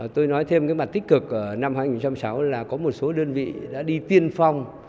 tôi nói thêm cái mặt tích cực năm hai nghìn một mươi sáu là có một số đơn vị đã đi tiên phong